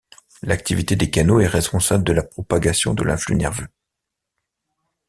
L'activité des canaux est responsable de la propagation de l'influx nerveux.